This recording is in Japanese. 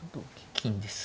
金です。